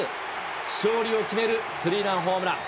勝利を決めるスリーランホームラン。